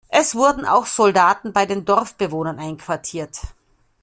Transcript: Es wurden auch Soldaten bei den Dorfbewohnern einquartiert.